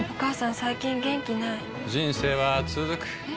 最近元気ない人生はつづくえ？